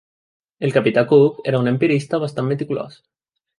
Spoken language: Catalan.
El capità Cook era un empirista bastant meticulós.